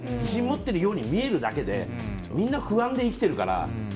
自信を持っているように見えるだけでみんな不安で生きてるから。